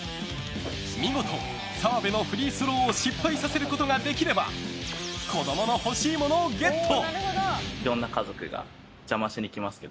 見事、澤部のフリースローを失敗させることができれば子供の欲しいものをゲット！